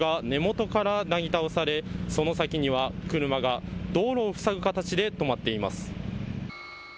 道路標識の支柱が根元からなぎ倒され、その先には車が道路を塞ぐ形で止まっています。